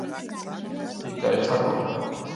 იქ გაიხსნა კლუბი.